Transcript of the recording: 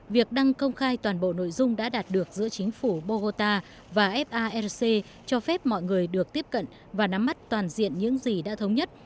việc đăng công khai toàn bộ nội dung đã đạt được giữa chính phủ bogota và fac cho phép mọi người được tiếp cận và nắm mắt toàn diện những gì đã thống nhất